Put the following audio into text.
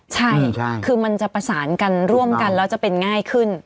ใช่คือมันจะประสานกันร่วมกันแล้วจะเป็นง่ายขึ้น